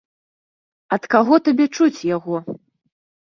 Ад каго табе чуць яго?